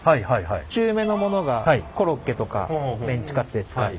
中めのものがコロッケとかメンチカツで使う。